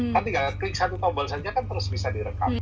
kan tinggal klik satu tombol saja kan terus bisa direkam